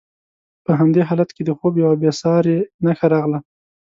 په همدې حالت کې د خوب یوه بې ساري نښه راغله.